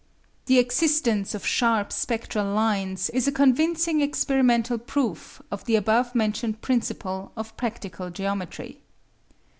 The existence of sharp spectral lines is a convincing experimental proof of the above mentioned principle of practical geometry.